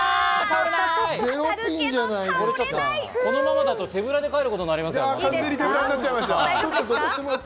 このままでは手ぶらで帰ることになりますよ。